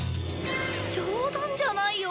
冗談じゃないよ